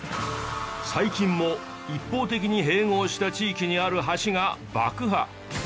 最近も一方的に併合した地域にある橋が爆破。